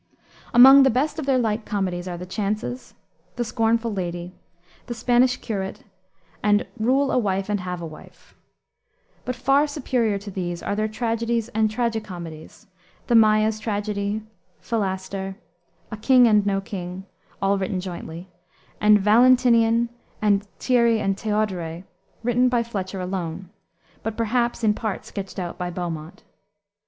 Among the best of their light comedies are The Chances, The Scornful Lady, The Spanish Curate, and Rule a Wife and Have a Wife. But far superior to these are their tragedies and tragi comedies, The Maia's Tragedy, Philaster, A King and No King all written jointly and Valentinian and Thierry and Theodoret, written by Fletcher alone, but perhaps, in part, sketched out by Beaumont.